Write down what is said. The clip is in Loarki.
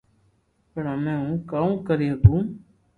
پڻ ھمي ھون ڪاوُ ڪري ھگو